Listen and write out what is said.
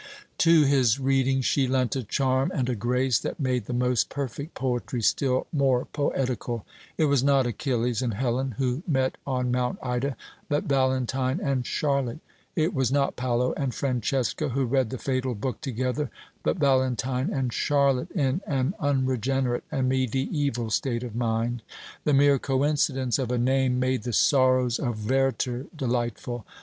To his reading she lent a charm and a grace that made the most perfect poetry still more poetical. It was not Achilles and Helen who met on Mount Ida, but Valentine and Charlotte; it was not Paolo and Francesca who read the fatal book together, but Valentine and Charlotte, in an unregenerate and mediæval state of mind. The mere coincidence of a name made the "Sorrows of Werter" delightful.